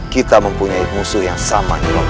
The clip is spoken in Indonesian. kita mempunyai musuh yang sama dengan